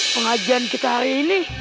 pengajian kita hari ini